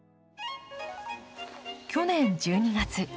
去年１２月。